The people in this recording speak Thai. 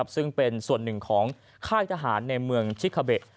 ซึ่งเป็นส่วนหนึ่งของค่ายทหารในเมืองชิคาเบะ